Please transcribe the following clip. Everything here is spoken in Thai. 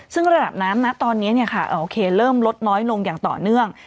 ซึ่งระดับน้ำนะตอนนี้โอเคเริ่มลดน้อยลงอย่างต่อเนื่อง